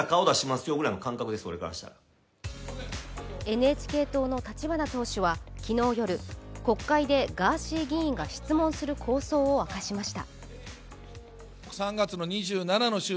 ＮＨＫ党の立花党首は昨日夜、国会でガーシー議員が質問する構想を明かしました。